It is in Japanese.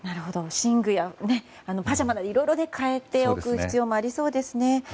寝具やパジャマもいろいろと変えておく必要がありそうですね。